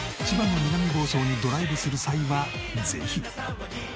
千葉の南房総にドライブする際はぜひ！